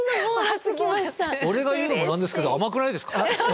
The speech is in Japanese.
俺が言うのも何ですけど甘くないですか？